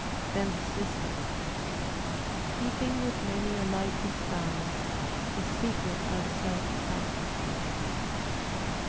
Then the sister Keeping with many a light disguise The secret of self sacrifice.